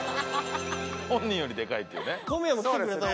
本人よりデカいっていうね。